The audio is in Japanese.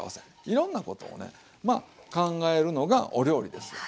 いろんなことをねまあ考えるのがお料理ですわ。